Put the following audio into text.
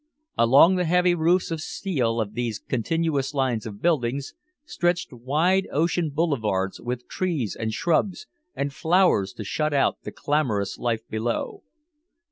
Along the heavy roofs of steel of these continuous lines of buildings stretched wide ocean boulevards with trees and shrubs and flowers to shut out the clamorous life below.